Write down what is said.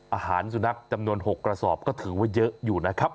อาหารสุนัขจำนวน๖กระสอบก็ถือว่าเยอะอยู่นะครับ